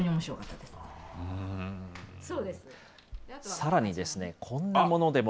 さらに、こんなものでも。